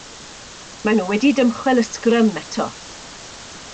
Maen nhw wedi dymchwel y sgrym eto.